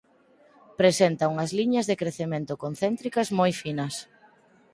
Presenta unha liñas de crecemento concéntricas moi finas.